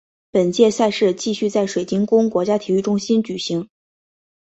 本届赛事继续在水晶宫国家体育中心举行。